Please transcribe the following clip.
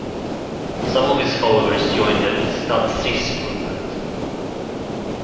Some of his followers joined the Ustadh Sis movement.